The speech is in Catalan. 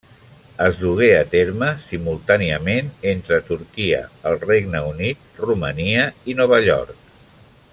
Es dugué a terme simultàniament entre Turquia, el Regne Unit, Romania i Nova York.